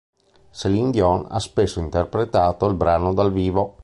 Céline Dion ha spesso interpretato il brano dal vivo.